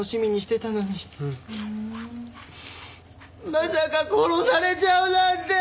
まさか殺されちゃうなんて！